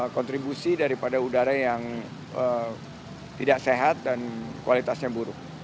kontribusi daripada udara yang tidak sehat dan kualitasnya buruk